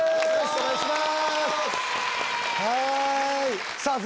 お願いします！